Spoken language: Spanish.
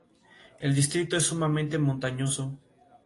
El distrito es sumamente montañoso.